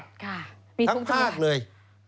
ค่ะมีทุกจังหวัดทั้งภาพเลย